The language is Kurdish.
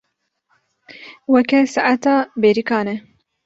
Weke saeta bêrîkan e.